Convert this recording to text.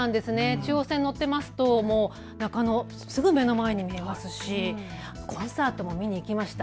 中央線、乗っていますとすぐ目の前にありますし、コンサートも見に行きました。